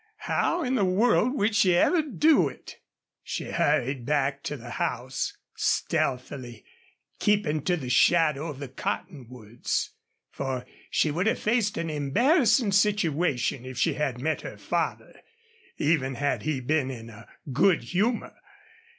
How in the world would she ever do it? She hurried back to the house, stealthily keeping to the shadow of the cottonwoods, for she would have faced an embarrassing situation if she had met her father, even had he been in a good humor.